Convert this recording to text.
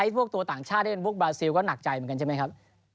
พวกตัวต่างชาติที่เป็นพวกบราซิลก็หนักใจเหมือนกันใช่ไหมครับ